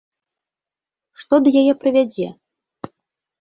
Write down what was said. Што да яе прывядзе?